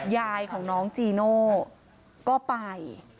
ยายของน้องจีโน่ก็ไป